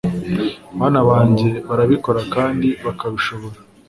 Bana banjye barabikora kandi bakabishobora